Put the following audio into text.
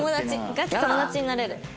ガチ友達になれる。